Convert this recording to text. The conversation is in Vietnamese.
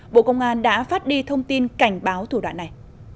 bộ công an đã phát đi thông tin cảnh báo thủ đoạn này